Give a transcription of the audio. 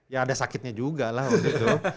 ya ada sakitnya juga lah begitu